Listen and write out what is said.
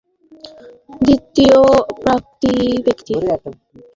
তিনি এই অপারেশনের দায়িত্বপ্রাপ্ত ব্যক্তি।